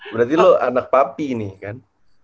berarti lu anak papi nih kan